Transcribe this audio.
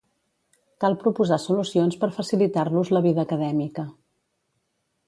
Cal proposar solucions per facilitar-los la vida acadèmica.